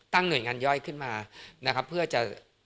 หน่วยงานย่อยขึ้นมานะครับเพื่อจะ